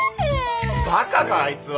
バカかあいつは！